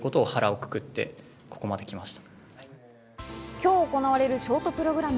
今日行われるショートプログラム。